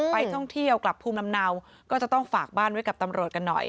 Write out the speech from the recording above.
ไปท่องเที่ยวกลับภูมิลำเนาก็จะต้องฝากบ้านไว้กับตำรวจกันหน่อย